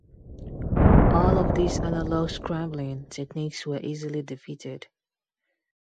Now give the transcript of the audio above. All of these analogue scrambling techniques were easily defeated.